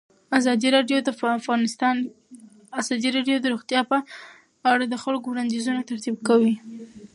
ازادي راډیو د روغتیا په اړه د خلکو وړاندیزونه ترتیب کړي.